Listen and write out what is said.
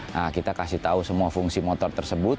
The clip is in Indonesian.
nah kita kasih tahu semua fungsi motor tersebut